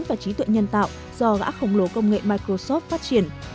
và trí tuệ nhân tạo do gã khổng lồ công nghệ microsoft phát triển